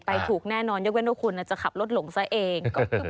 ถูกแน่นอนยกเว้นว่าคุณจะขับรถหลงซะเอง